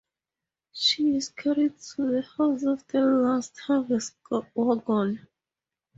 She is carried to the house on the last harvest-wagon.